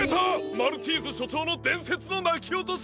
マルチーズしょちょうのでんせつのなきおとし！